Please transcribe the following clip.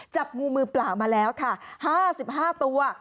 จับงูมือเปล่ามาแล้วค่ะ๕๕ตัว